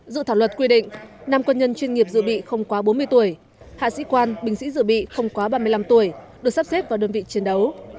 dự thảo luật quy định năm quân nhân chuyên nghiệp dự bị không quá bốn mươi tuổi hạ sĩ quan bình sĩ dự bị không quá ba mươi năm tuổi được sắp xếp vào đơn vị chiến đấu